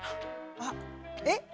あっえっ？